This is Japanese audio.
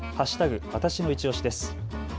わたしのいちオシです。